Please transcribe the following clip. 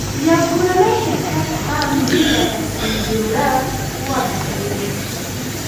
یو کورنی شرکت هم بېله رسمي جوړښت وده کوي.